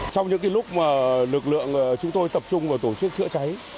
trong những lúc lực lượng chúng tôi tập trung vào tổ chức chữa cháy